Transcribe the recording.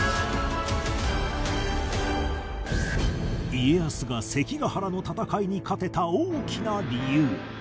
家康が関ヶ原の戦いに勝てた大きな理由